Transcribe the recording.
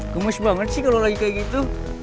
gumus banget sih kalau lo lagi kayak gitu